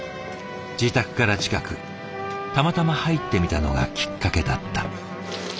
自宅から近くたまたま入ってみたのがきっかけだった。